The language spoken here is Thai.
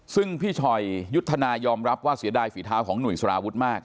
ซึ่งพี่ชอยยุทธนายอมรับว่าเสียดายฝีเท้าของหนุ่ยสารวุฒิมาก